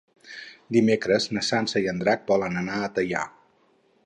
Dimecres na Sança i en Drac volen anar a Teià.